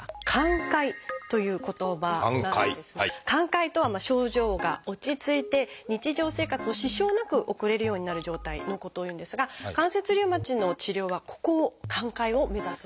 「寛解」とは症状が落ち着いて日常生活を支障なく送れるようになる状態のことをいうんですが関節リウマチの治療はここを寛解を目指すんですよね。